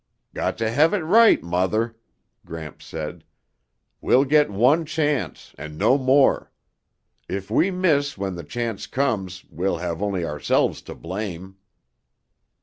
"Got to have it right, Mother," Gramps said. "We'll get one chance and no more. If we miss when the chance comes, we'll have only ourselves to blame."